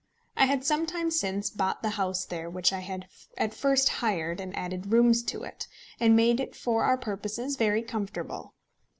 I had some time since bought the house there which I had at first hired, and added rooms to it, and made it for our purposes very comfortable.